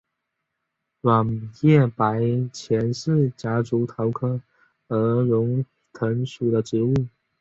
卵叶白前是夹竹桃科鹅绒藤属的植物。